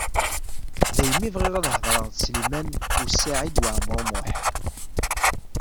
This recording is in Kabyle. Daymi bɣiɣ ad hedreɣ d Sliman U Saɛid Waɛmaṛ U Muḥ.